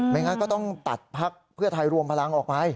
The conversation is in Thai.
งั้นก็ต้องตัดพักเพื่อไทยรวมพลังออกไป